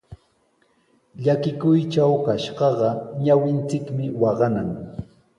Llakikuytraw kashqaqa ñawinchikmi waqanan.